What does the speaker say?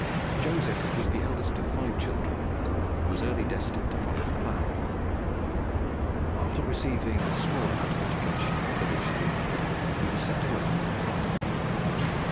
Joseph was the eldest of five children, and was early destined to follow the plough. After receiving a small amount of education at the village school, he was set to work upon the farm.